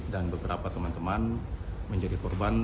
dan beberapa teman teman menjadi korban